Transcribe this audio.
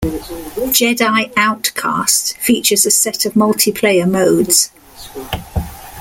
"Jedi Outcast" features a set of multiplayer modes.